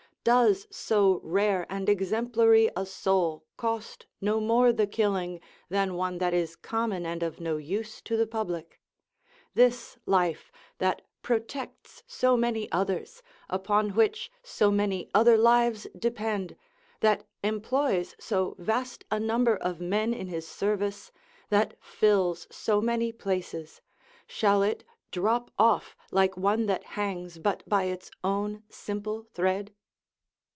Does so rare and exemplary a soul cost no more the killing than one that is common and of no use to the public? This life, that protects so many others, upon which so many other lives depend, that employs so vast a number of men in his service, that fills so many places, shall it drop off like one that hangs but by its own simple thread?